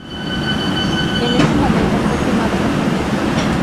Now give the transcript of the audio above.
En ese momento fue quemado por completo.